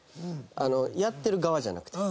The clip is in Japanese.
やってる側じゃなくて。